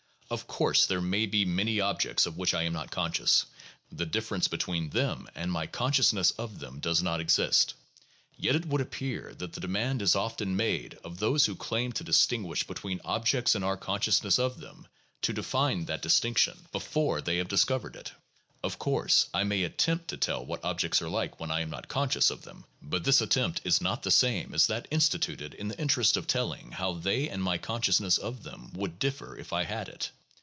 Of course there may be many objects of which I am not conscious. The difference between them and my consciousness of them does not exist. Yet it would appear that the demand is often made of those who claim to distinguish between objects and our con sciousness of them, to define that distinction before they have No. 6.] CONSCIOUSNESS AND OBJECT. 635 discovered it. Of course, I may attempt to tell what objects are like when I am not conscious of them, but this attempt is not the same as that instituted in the interest of telling how they and my consciousness of them would differ if I had it.